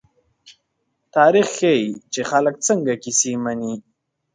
تاریخ ښيي، چې خلک څنګه کیسې مني.